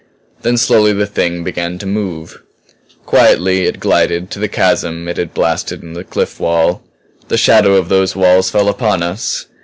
Then slowly the Thing began to move; quietly it glided to the chasm it had blasted in the cliff wall. The shadow of those walls fell upon us.